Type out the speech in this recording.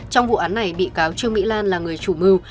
trong vụ án này bị cáo trương mỹ lan là người chủ mưu